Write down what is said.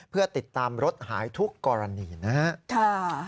เพื่อติดตามรถหายทุกกรณีนะครับ